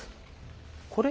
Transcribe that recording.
これ？